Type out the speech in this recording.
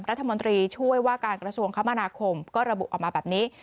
รัฐมนตรีช่วยว่าการกระทรวงคมนาคมก็ระบุออกมาแบบนี้